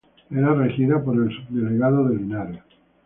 Era regida por Subdelegado de Linares.